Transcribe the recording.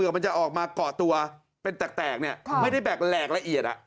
มันจะออกมาเกาะตัวเป็นแตกไม่ได้แบบแหลกละเอียด